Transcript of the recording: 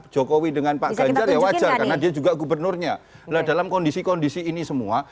jokowi dengan pak ganjar ya wajar karena dia juga gubernurnya dalam kondisi kondisi ini semua